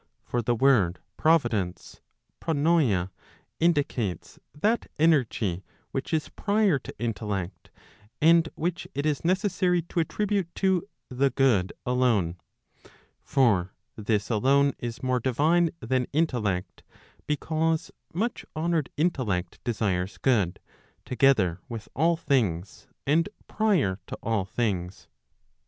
For the word Providence (vgoi ma) indicates 1 that energy which is prior to intellect, and which it is necessary to attribute to the good alone; for this alone is more divine than intellect, because much honoured intellect desires good, together with all things and prior to all things.